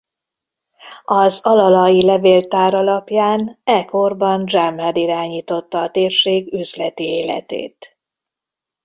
Az alalahi levéltár alapján e korban Jamhad irányította a térség üzleti életét.